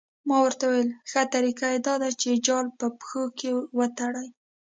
ما ورته وویل ښه طریقه یې دا ده چې جال په پښو کې وتړي.